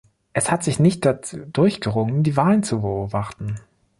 Es hat sich nicht dazu durchgerungen, die Wahlen zu beobachten.